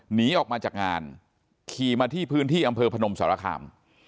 หนีออกมาจากงานขี่มาที่พื้นที่อำเภอพนมสารคาม